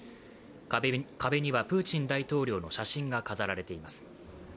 壁にはプーチン大統領の写真が飾られています。